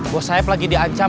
bos saeb lagi diancam